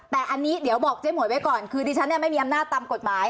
แต่อันนี้เดี๋ยวบอกเจ๊หมวยไว้ก่อนคือดิฉันไม่มีอำนาจตามกฎหมาย